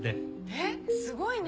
えっすごいね。